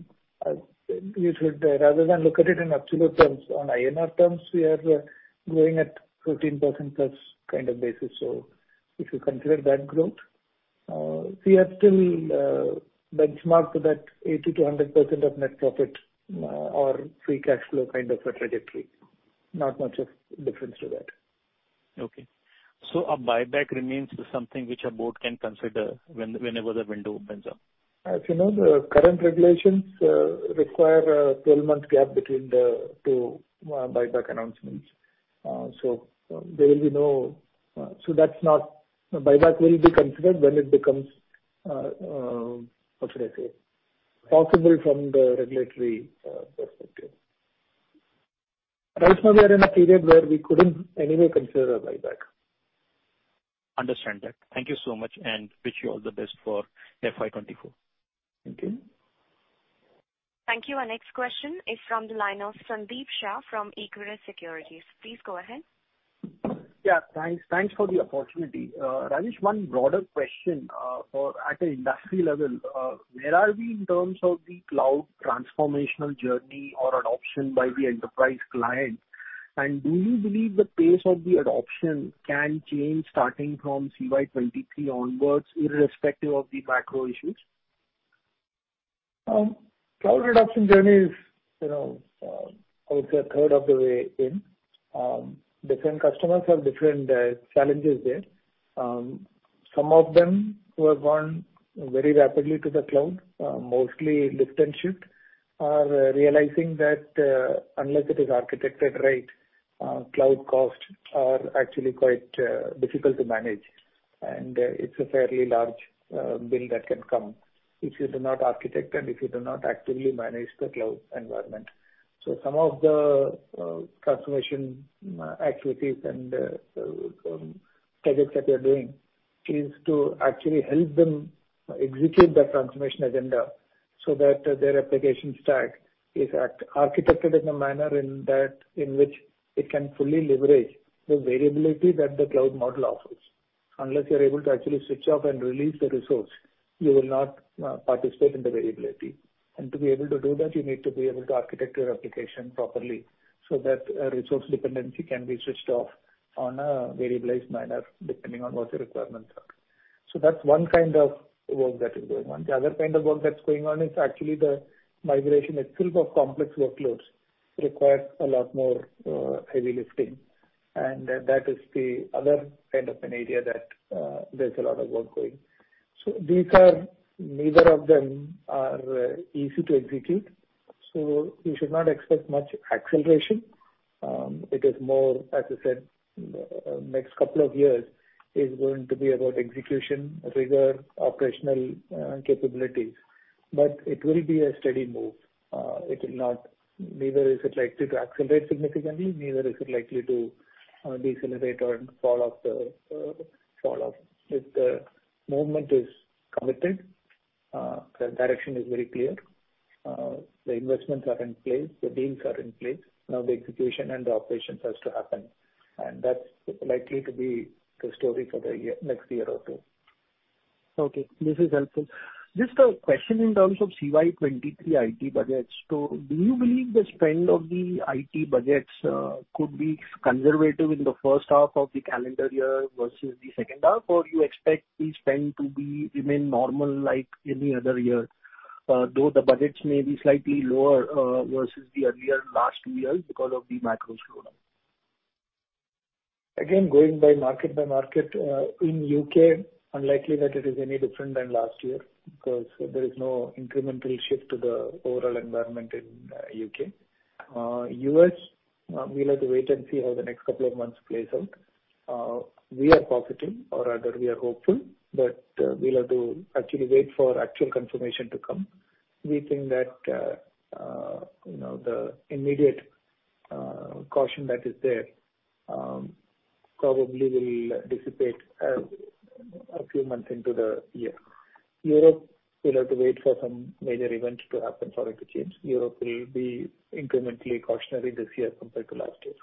than look at it in absolute terms, on INR terms, we are growing at 13%+ kind of basis. If you consider that growth, we are still benchmarked to that 80%-100% of net profit, or free cash flow kind of a trajectory. Not much of difference to that. Okay. A buyback remains something which a board can consider when, whenever the window opens up? As you know, the current regulations require a 12-month gap between the two buyback announcements. Buyback will be considered when it becomes, what should I say, possible from the regulatory perspective. Right now we are in a period where we couldn't anyway consider a buyback. Understand that. Thank you so much, and wish you all the best for FY 2024. Thank you. Thank you. Our next question is from the line of Sandeep Shah from Equirus Securities. Please go ahead. Thanks. Thanks for the opportunity. Rajesh, one broader question. For at an industry level, where are we in terms of the cloud transformational journey or adoption by the enterprise clients? Do you believe the pace of the adoption can change starting from CY 2023 onwards, irrespective of the macro issues? Cloud adoption journey is, you know, I would say a third of the way in. Different customers have different challenges there. Some of them who have gone very rapidly to the cloud, mostly lift and shift, are realizing that unless it is architected right, cloud costs are actually quite difficult to manage. It's a fairly large bill that can come if you do not architect and if you do not actively manage the cloud environment. Some of the transformation activities and projects that we are doing is to actually help them execute their transformation agenda so that their application stack is architected in a manner in that, in which it can fully leverage the variability that the cloud model offers. Unless you're able to actually switch off and release the resource, you will not participate in the variability. To be able to do that, you need to be able to architect your application properly so that resource dependency can be switched off on a variabilized manner, depending on what the requirements are. That's one kind of work that is going on. The other kind of work that's going on is actually the migration itself of complex workloads requires a lot more heavy lifting, and that is the other kind of an area that there's a lot of work going. These are, neither of them are easy to execute, so you should not expect much acceleration. It is more, as I said, next couple of years is going to be about execution, rigor, operational capabilities. It will be a steady move. Neither is it likely to accelerate significantly, neither is it likely to decelerate or fall off the fall off. If the movement is committed, the direction is very clear. The investments are in place, the deals are in place. The execution and the operations has to happen, and that's likely to be the story for the year, next year, or two. Okay, this is helpful. Just a question in terms of CY 23 IT budgets. Do you believe the spend of the IT budgets could be conservative in the first half of the calendar year versus the second half, or you expect the spend to be remain normal like any other year, though the budgets may be slightly lower versus the earlier last years because of the macro slowdown? Going by market by market, in U.K., unlikely that it is any different than last year because there is no incremental shift to the overall environment in U.K. U.S., we'll have to wait and see how the next couple of months plays out. We are positive, or rather we are hopeful, but we'll have to actually wait for actual confirmation to come. We think that, you know, the immediate caution that is there, probably will dissipate a few months into the year. Europe, we'll have to wait for some major event to happen for it to change. Europe will be incrementally cautionary this year compared to last year.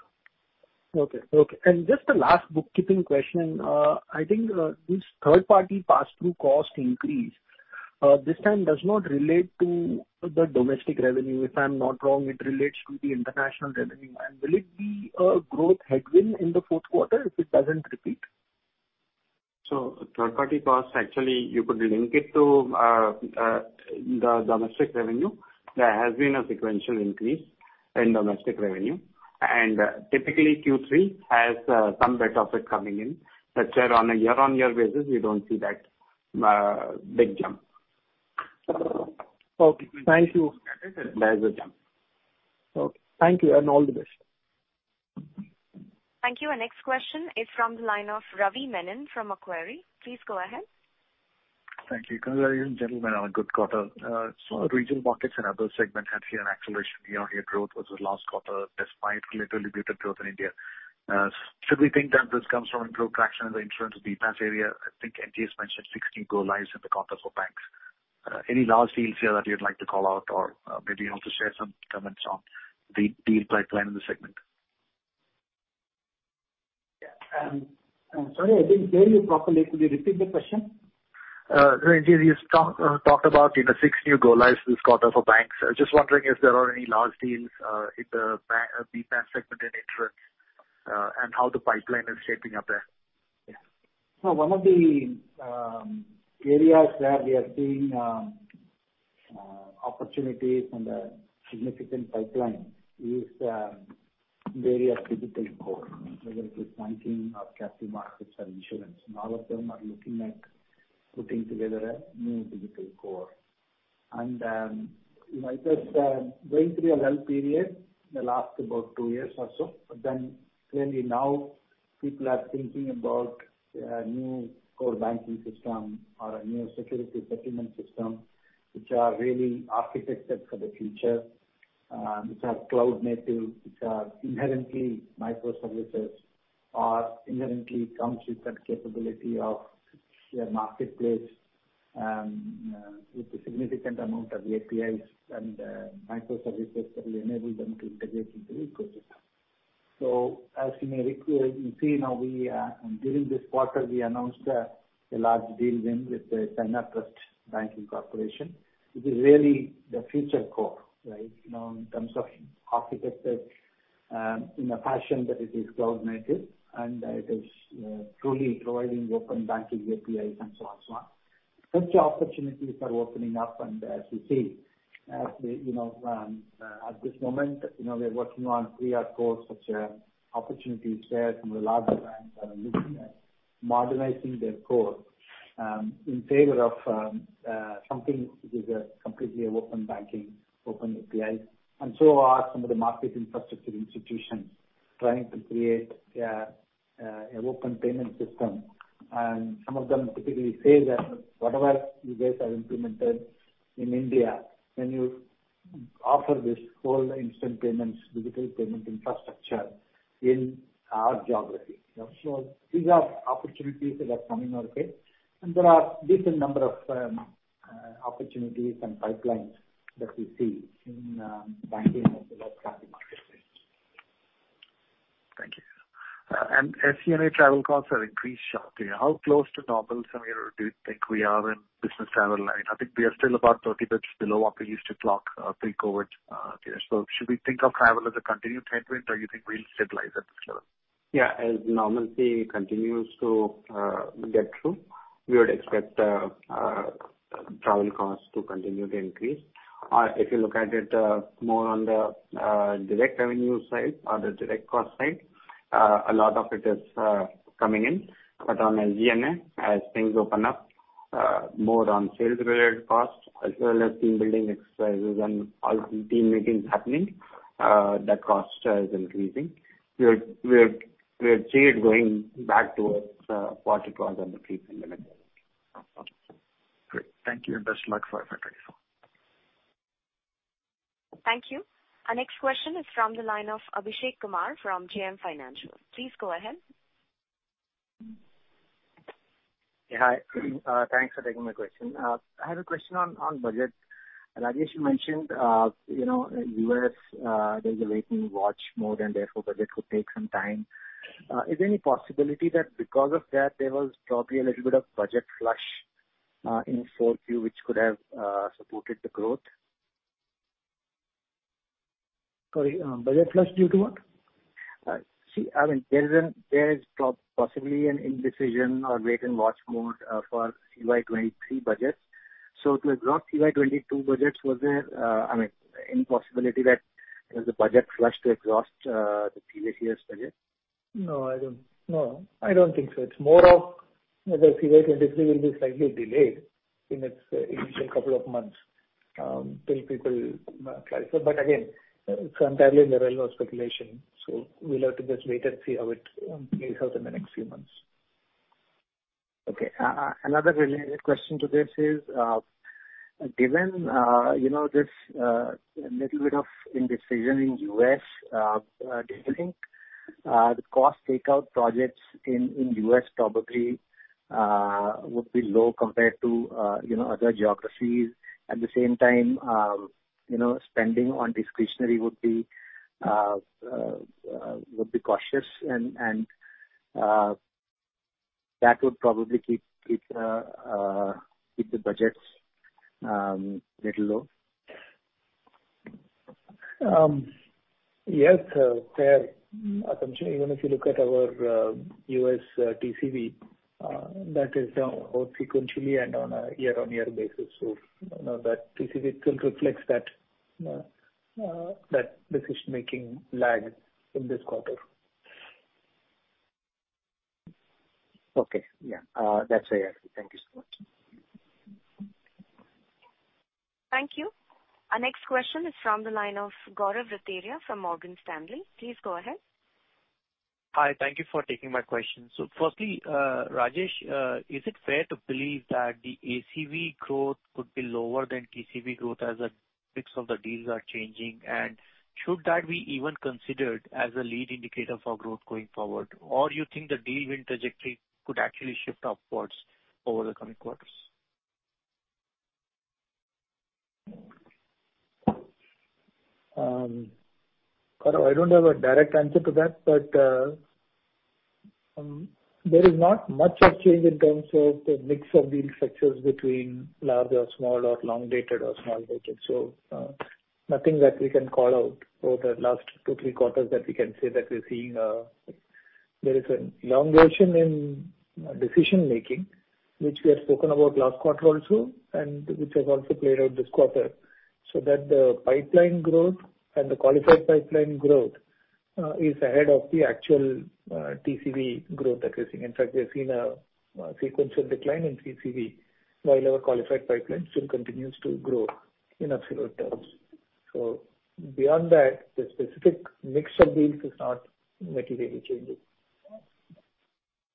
Okay. Okay. Just a last bookkeeping question. I think this third-party pass-through cost increase, this time does not relate to the domestic revenue. If I'm not wrong, it relates to the international revenue. Will it be a growth headwind in the fourth quarter if it doesn't repeat? Third-party costs, actually, you could link it to the domestic revenue. There has been a sequential increase in domestic revenue. Typically Q3 has some bit of it coming in. Year, on a year-on-year basis, we don't see that big jump. Okay, thank you. Okay, thank you, and all the best. Thank you. Our next question is from the line of Ravi Menon from Macquarie. Please go ahead. Thank you. Congratulations, gentlemen, on a good quarter. Regional markets and other segment had here an acceleration year-on-year growth versus last quarter despite little bit of growth in India. Should we think that this comes from improved traction in the insurance BPaaS area? I think NTS mentioned six new go lives in the quarter for banks. Any large deals here that you'd like to call out or, maybe you want to share some comments on the deal pipeline in the segment? I'm sorry, I didn't hear you properly. Could you repeat the question? You just talked about, you know, six new go lives this quarter for banks. I was just wondering if there are any large deals, in the BPaaS segment in insurance, and how the pipeline is shaping up there. One of the areas where we are seeing opportunities and a significant pipeline is the area of digital core, whether it is banking or capital markets or insurance. All of them are looking at putting together a new digital core. You know, it was going through a lull period in the last about two years or so. Clearly now people are thinking about new core banking system or a new security settlement system, which are really architected for the future, which are cloud native, which are inherently microservices or inherently comes with that capability of their marketplace, with a significant amount of APIs and microservices that will enable them to integrate into ecosystem. As you may you can see now, we during this quarter, we announced a large deal win with the China Banking Corporation. This is really the future core, right? You know, in terms of architected in a fashion that it is cloud native and that it is truly providing open banking APIs and so on and so on. Such opportunities are opening up, and as you see, as we, you know, at this moment, you know, we are working on three other cores, which are opportunities there. Some of the larger banks are looking at modernizing their core in favor of something which is completely open banking, open API. Are some of the market infrastructure institutions trying to create a open payment system? Some of them typically say that whatever you guys have implemented in India, can you offer this whole instant payments, digital payment infrastructure in our geography? You know. These are opportunities that are coming our way. There are decent number of opportunities and pipelines that we see in banking as well as capital markets space. Thank you. FC&A travel costs are increased sharply. How close to normal, Samir, do you think we are in business travel now? I think we are still about 30 bits below what we used to clock, pre-COVID, period. Should we think of travel as a continued headwind or you think we'll stabilize at this level? As normalcy continues to get through, we would expect travel costs to continue to increase. If you look at it, more on the direct revenue side or the direct cost side, a lot of it is coming in. On FC&A, as things open up, more on sales related costs as well as team building exercises and all team meetings happening, that cost is increasing. We have seen it going back towards what it was on the pre-pandemic level. Okay. Great. Thank you, and best of luck for FY 2024. Thank you. Our next question is from the line of Abhishek Kumar from JM Financial. Please go ahead. Yeah. Hi. thanks for taking my question. I have a question on budget. Rajesh, you mentioned, you know, in U.S., there's a wait and watch mode and therefore budget would take some time. Is there any possibility that because of that there was probably a little bit of budget flush, in 4Q which could have, supported the growth? Sorry, budget flush due to what? See, I mean, there is an, there is possibly an indecision or wait and watch mode for FY 23 budgets. To adopt FY 22 budgets, was there, I mean, any possibility that there was a budget flush to exhaust the previous year's budget? No, I don't. No, I don't think so. It's more of that the FY 23 will be slightly delayed in its initial couple of months, till people clarify. Again, it's entirely in the realm of speculation, so we'll have to just wait and see how it plays out in the next few months. Okay. Another related question to this is, given, you know, this little bit of indecision in U.S., do you think the cost takeout projects in U.S. probably would be low compared to, you know, other geographies? At the same time, you know, spending on discretionary would be cautious and that would probably keep the budgets little low. Yes, fair assumption. Even if you look at our U.S. TCV, that is down both sequentially and on a year-on-year basis. You know, that TCV still reflects that decision-making lag in this quarter. Okay. Yeah. That's where you are. Thank you so much. Thank you. Our next question is from the line of Gaurav Rateria from Morgan Stanley. Please go ahead. Hi. Thank you for taking my question. Firstly, Rajesh, is it fair to believe that the ACV growth could be lower than TCV growth as a mix of the deals are changing? Should that be even considered as a lead indicator for growth going forward, or you think the deal win trajectory could actually shift upwards over the coming quarters? Gaurav, I don't have a direct answer to that, but there is not much of change in terms of the mix of deal structures between large or small or long-dated or small-dated. Nothing that we can call out over the last two, three quarters that we can say that we're seeing there is an elongation in decision-making, which we have spoken about last quarter also, and which has also played out this quarter, so that the pipeline growth and the qualified pipeline growth is ahead of the actual TCV growth that we're seeing. In fact, we have seen a sequential decline in TCV while our qualified pipeline still continues to grow in absolute terms. Beyond that, the specific mix of deals is not materially changing.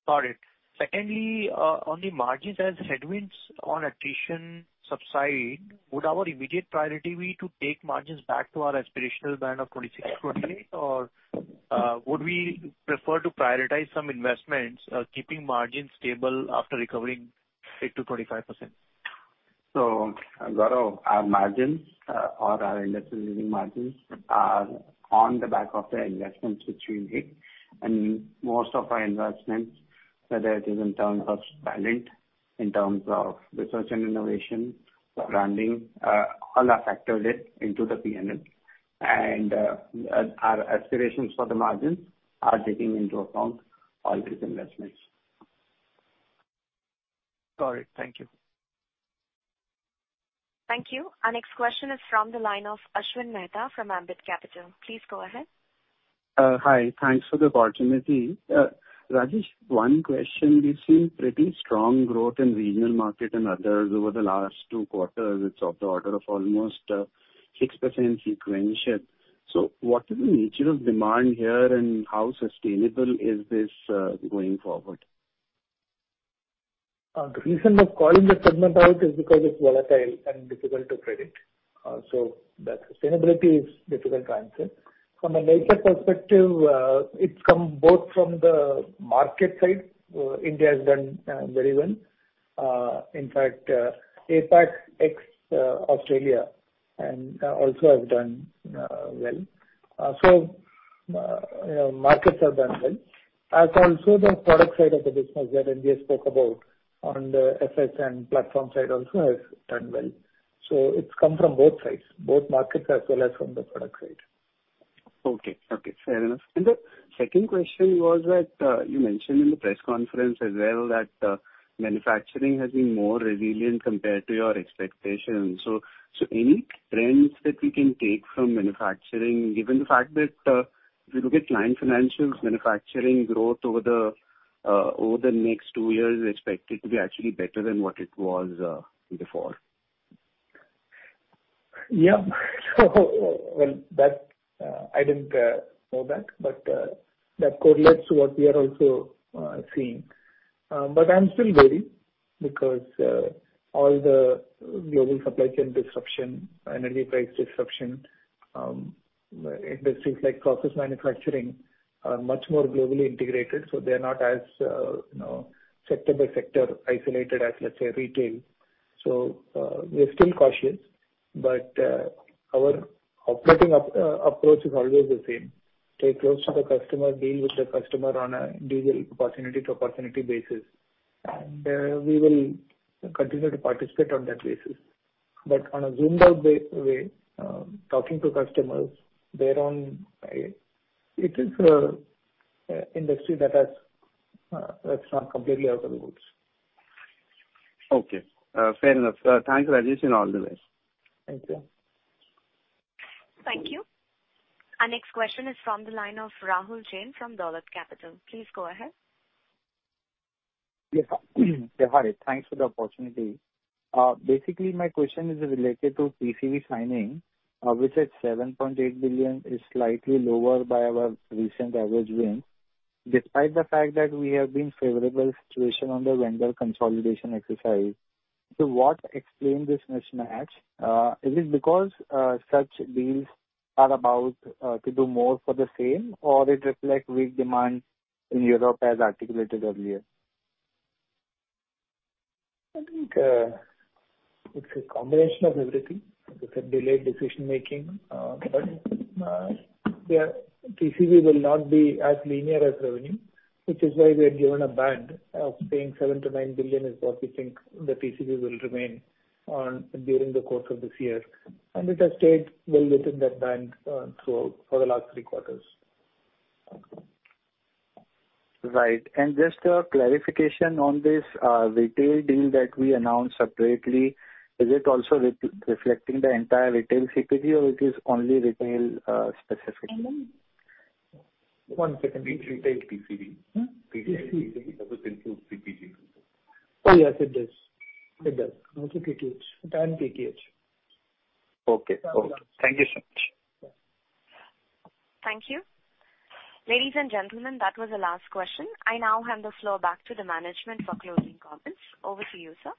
Got it. Secondly, on the margins as headwinds on attrition subside, would our immediate priority be to take margins back to our aspirational band of 26%-28%? Or, would we prefer to prioritize some investments, keeping margins stable after recovering 8% to 25%? Gaurav, our margins, or our investment margins are on the back of the investments which we make. Most of our investments, whether it is in terms of talent, in terms of research and innovation, branding, all are factored it into the P&L. Our aspirations for the margins are taking into account all these investments. Got it. Thank you. Thank you. Our next question is from the line of Ashwin Mehta from Ambit Capital. Please go ahead. Hi. Thanks for the opportunity. Rajesh, one question. We've seen pretty strong growth in regional market and others over the last two quarters. It's of the order of almost 6% sequentially. What is the nature of demand here, and how sustainable is this going forward? The reason for calling the segment out is because it's volatile and difficult to predict. The sustainability is difficult to answer. From a nature perspective, it's come both from the market side. India has done very well. In fact, APAC ex Australia also has done well. So, you know, markets have done well. As also the product side of the business that India spoke about on the effect and platform side also has done well. So it's come from both sides, both markets as well as from the product side Okay. Okay, fair enough. The second question was that, you mentioned in the press conference as well that manufacturing has been more resilient compared to your expectations. Any trends that we can take from manufacturing, given the fact that, if you look at client financials, manufacturing growth over the next two years is expected to be actually better than what it was before? Yeah. Well, that, I didn't know that, but that correlates to what we are also seeing. I'm still wary because all the global supply chain disruption, energy price disruption, industries like process manufacturing are much more globally integrated, so they're not as, you know, sector by sector isolated as, let's say, retail. We're still cautious, but our operating approach is always the same. Stay close to the customer, deal with the customer on a deal opportunity to opportunity basis. We will continue to participate on that basis. On a zoomed out way, talking to customers, It is a industry that has that's not completely out of the woods. Okay, fair enough. Thanks, Rajesh, and all the best. Thank you. Thank you. Our next question is from the line of Rahul Jain from Dolat Capital. Please go ahead. Yes. Hi. Thanks for the opportunity. Basically, my question is related to TCV signing, which at $7.8 billion is slightly lower by our recent average wins, despite the fact that we have been favorable situation on the vendor consolidation exercise. What explain this mismatch? Is it because such deals are about to do more for the same or it reflect weak demand in Europe as articulated earlier? I think, it's a combination of everything. It's a delayed decision-making. Yeah, TCV will not be as linear as revenue, which is why we have given a band of saying $7 billion-$9 billion is what we think the TCV will remain on during the course of this year. It has stayed well within that band, throughout, for the last three quarters. Right. Just a clarification on this retail deal that we announced separately, is it also reflecting the entire retail CPG or it is only retail specific? One second, please. It's retail TCV. Hmm? Retail TCV. That will include CPG. Oh, yes, it does. It does. Also PPH. PPH. Okay. Okay. Thank you so much. Thank you. Ladies and gentlemen, that was the last question. I now hand the floor back to the management for closing comments. Over to you, sir.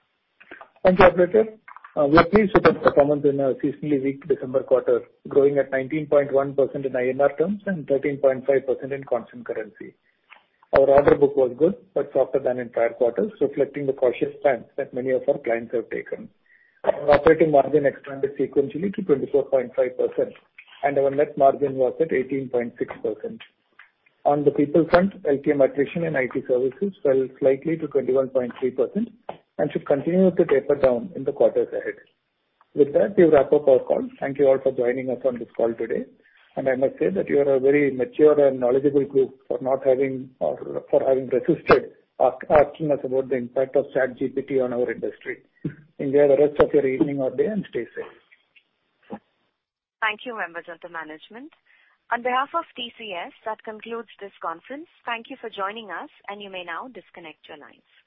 Thank you, operator. We're pleased with the performance in a seasonally weak December quarter, growing at 19.1% in INR terms and 13.5% in constant currency. Our order book was good, but softer than in prior quarters, reflecting the cautious stance that many of our clients have taken. Our operating margin expanded sequentially to 24.5%, and our net margin was at 18.6%. On the people front, LTM attrition in IT services fell slightly to 21.3% and should continue to taper down in the quarters ahead. With that, we wrap up our call. Thank you all for joining us on this call today. I must say that you are a very mature and knowledgeable group for not having or for having resisted asking us about the impact of ChatGPT on our industry. Enjoy the rest of your evening or day. Stay safe. Thank you, members of the management. On behalf of TCS, that concludes this conference. Thank you for joining us, and you may now disconnect your lines.